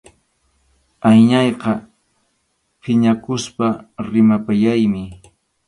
Anyayqa phiñakuspa rimapayaymi.